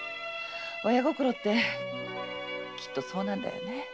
親心ってきっとそうなんだろうね。